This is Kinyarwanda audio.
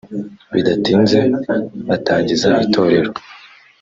bidatinze batangiza itorero